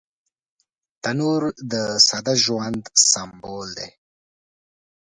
تنور د ساده ژوند سمبول دی